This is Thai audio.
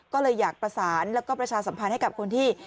ก็เลยอยากประสานแล้วก็ประชาสัมพันธ์ให้กับคนที่